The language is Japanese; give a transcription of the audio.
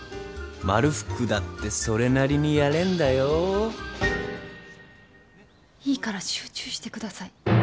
まるふくだってそれなりにやいいから集中してください。